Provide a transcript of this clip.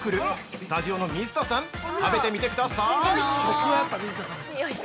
スタジオの水田さん食べてみてください。